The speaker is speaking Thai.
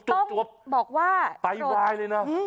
ต้องบอกว่าปล่อยวายเลยนะ